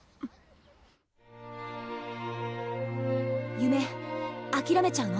夢諦めちゃうの？